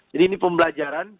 jadi ini pembelajaran